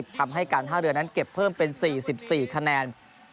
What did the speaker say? ทำให้การท่าเรือนั้นเก็บเพิ่มเป็น๔๔คะแนน